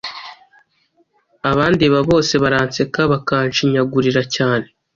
Abandeba bose baranseka, bakanshinyagurira cyane;